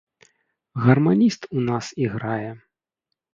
Гарманіст у нас іграе!